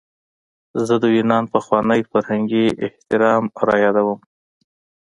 زه د یونان پخوانی فرهنګي احترام رایادوم.